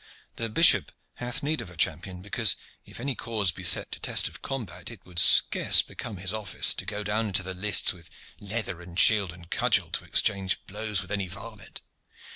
The bishop hath need of a champion, because, if any cause be set to test of combat, it would scarce become his office to go down into the lists with leather and shield and cudgel to exchange blows with any varlet.